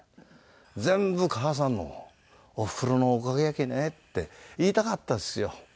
「全部母さんのおふくろのおかげやけね」って言いたかったですよ。